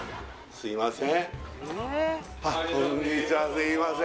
すいません